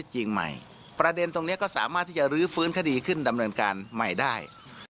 หรือฟื้นคดีขึ้นดำเนินการใหม่ได้